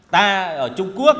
ta ở trung quốc